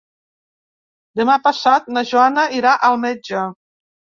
Demà passat na Joana irà al metge.